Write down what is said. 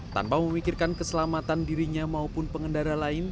tanpa memikirkan keselamatan dirinya maupun pengendara lain